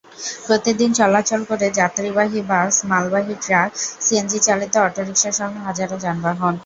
প্রতিদিন চলাচল করে যাত্রীবাহী বাস, মালবাহী ট্রাক, সিএনজিচালিত অটোরিকশাসহ হাজারো যানবাহন।